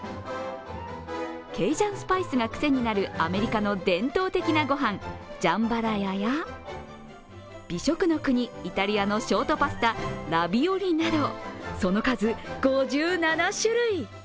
ケイジャンスパイスがくせになるアメリカの伝統的なご飯ジャンパラヤや美食の国・イタリアのショートパスタ、ラヴィオリなど、その数５７種類。